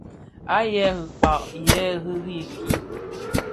Aa yêê rikpaa, yêê rì kì.